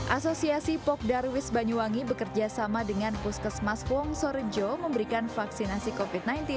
asosiasi pok darwis banyuwangi bekerjasama dengan puskesmas wongsorejo memberikan vaksinasi covid sembilan belas